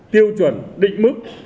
tiêu chuẩn định mức